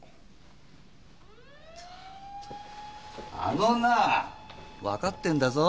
あのなあわかってんだぞ！